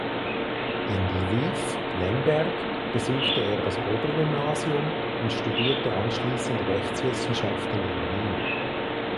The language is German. In Lwiw (Lemberg) besuchte er das Obergymnasium und studierte anschließend Rechtswissenschaften in Wien.